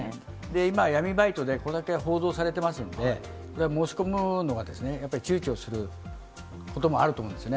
今、闇バイトでこれだけ報道されてますんで、申し込むのはやっぱりちゅうちょすることもあると思うんですよね。